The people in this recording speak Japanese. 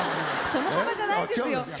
その幅じゃないですよ。